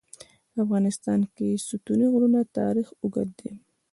په افغانستان کې د ستوني غرونه تاریخ اوږد دی.